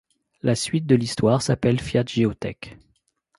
La suite de l'histoire s'appelle Fiat Geotech.